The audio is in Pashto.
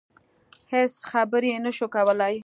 هېڅ خبرې يې نشوای کولای.